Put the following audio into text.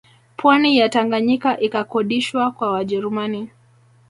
Pwani ya Tanganyika ikakodishwa kwa Wajerumani